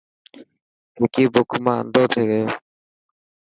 وڪي بک مان انڌو ٿي گيو.